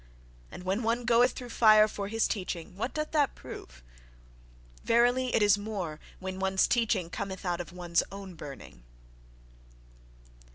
And when one goeth through fire for his teaching—what doth that prove? Verily, it is more when one's teaching cometh out of one's own burning!